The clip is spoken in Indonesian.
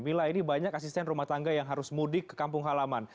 mila ini banyak asisten rumah tangga yang harus mudik ke kampung halaman